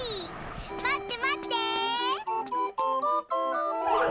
まってまって！